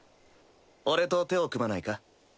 俺と手を組まないか？